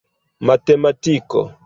matematiko